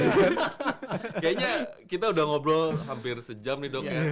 kayaknya kita udah ngobrol hampir sejam nih dok ya